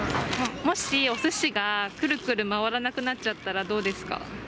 もしおすしが、くるくる回らなくなっちゃったらどうですか。